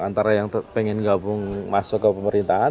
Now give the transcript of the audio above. antara yang pengen gabung masuk ke pemerintahan